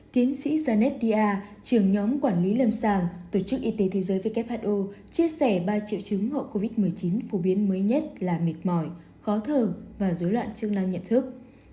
tiến sĩ sanetia trưởng nhóm quản lý lâm sàng tổ chức y tế thế giới who chia sẻ ba triệu chứng hậu covid một mươi chín phổ biến mới nhất là mệt mỏi khó thở và dối loạn chức năng nhận thức